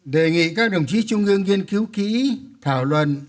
đề nghị các đồng chí trung ương nghiên cứu kỹ thảo luận